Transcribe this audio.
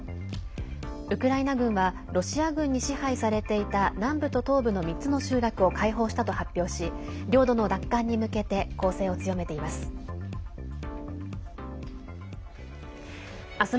ウクライナ軍はロシア軍に支配されていた南部と東部の３つの集落を解放したと発表し領土の奪還に向けて攻勢を強めています。